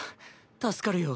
助かるよ。